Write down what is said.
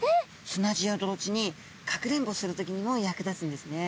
砂地や泥地にかくれんぼする時にも役立つんですね。